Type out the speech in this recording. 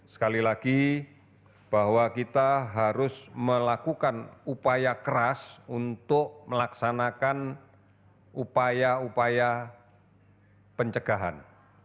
sekali lagi bahwa kita harus melakukan upaya keras untuk melaksanakan upaya upaya pencegahan